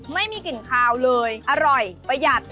ไม่มีกลิ่นคาวเลยอร่อยประหยัด